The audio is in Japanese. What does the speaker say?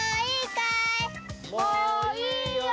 もういいよ！